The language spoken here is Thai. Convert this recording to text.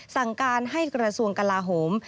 สั่งการให้กระทรวงกลาโหม